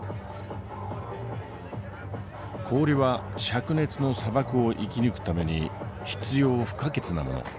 氷は灼熱の砂漠を生き抜くために必要不可欠なもの。